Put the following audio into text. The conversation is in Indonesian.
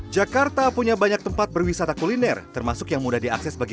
jakarta punya banyak tempat berwisata kuliner termasuk yang mudah diakses bagi